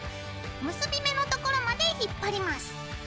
結び目のところまで引っ張ります。